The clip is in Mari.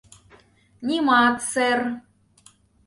— Нимат, сэр.